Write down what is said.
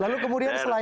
lalu kemudian selain itu